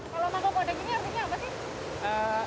kalau mangku kode gini artinya apa sih